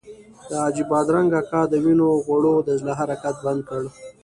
د حاجي بادرنګ اکا د وینو غوړو د زړه حرکت بند کړ.